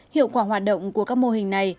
hiệu quả hoạt động của các mô hình này